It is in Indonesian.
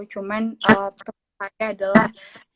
cuman pertanyaannya adalah